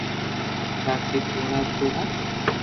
باقي ٿوڙا تو ھي